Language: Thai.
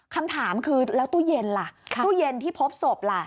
คำถามคือแล้วตู้เย็นล่ะตู้เย็นที่พบศพล่ะ